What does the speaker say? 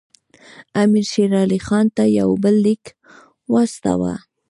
امیر شېر علي خان ته یو بل لیک واستاوه.